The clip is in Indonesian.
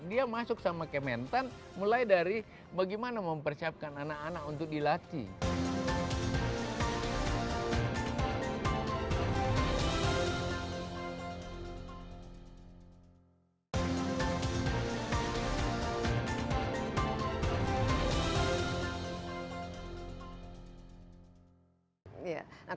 dia masuk sama kementan mulai dari bagaimana mempersiapkan anak anak untuk dilatih